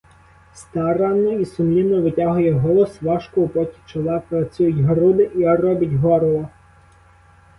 Старанно і сумлінно витягує голос, важко, у поті чола працюють груди і робить горло.